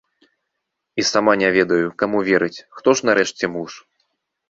І сама не ведаю, каму верыць, хто ж, нарэшце, муж?